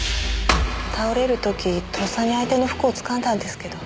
倒れる時とっさに相手の服を掴んだんですけど。